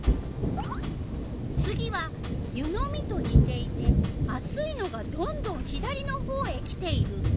次は「ゆ飲みとにていて熱いのがどんどん左の方へきている」。